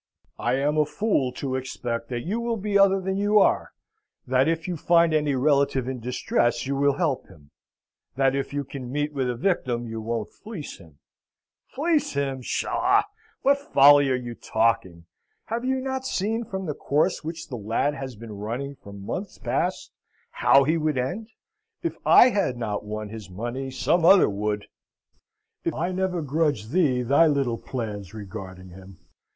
"I am a fool to expect that you will be other than you are; that if you find any relative in distress you will help him; that if you can meet with a victim you won't fleece him." "Fleece him! Psha! What folly are you talking! Have you not seen, from the course which the lad has been running for months past, how he would end? If I had not won his money, some other would? I never grudged thee thy little plans regarding him.